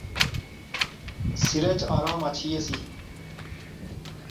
سریچ ارام اچھی ایسی